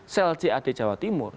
sel cad jawa timur